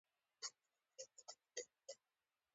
دریشي د مشرتابه لباس ګڼل کېږي.